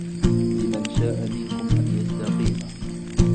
لِمَن شاءَ مِنكُم أَن يَستَقيمَ